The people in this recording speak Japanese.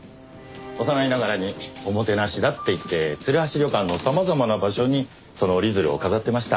幼いながらにおもてなしだって言って鶴橋旅館の様々な場所にその折り鶴を飾ってました。